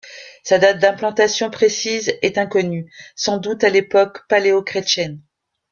Sa date d’implantation précise est inconnue, sans doute à l’époque paléochrétienne.